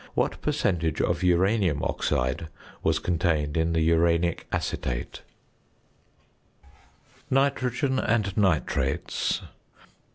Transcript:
What percentage of uranium oxide was contained in the uranic acetate? NITROGEN AND NITRATES.